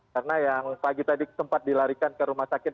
karena yang pagi tadi sempat dilarikan ke rumah sakit